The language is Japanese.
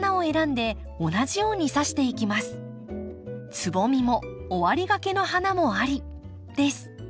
つぼみも終わりがけの花もありです。